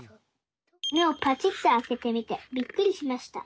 「めをぱちっとあけてみてびっくりしました。